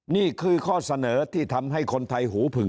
นี่คือข้อเสนอที่ทำให้คนไทยหูผึ่ง